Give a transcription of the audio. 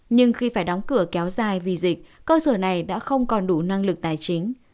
nhưng khi phải đóng cửa kéo dài vì dịch cơ sở này đã không còn đủ năng lực tài chính